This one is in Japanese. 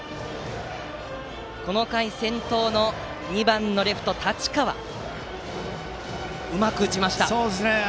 この回、先頭の２番のレフト、太刀川がうまく打ちました。